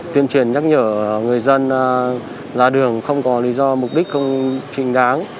tuyên truyền nhắc nhở người dân ra đường không có lý do mục đích không trình đáng